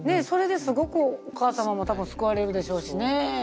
それですごくお母様も多分救われるでしょうしねぇ。